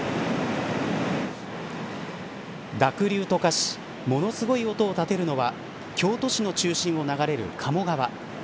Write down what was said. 濁流と化しものすごい音を立てるのは京都市の中心を流れる鴨川。